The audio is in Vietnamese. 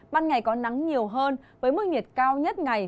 ban ngày có nắng nhiều hơn với mức nhiệt cao nhất ngày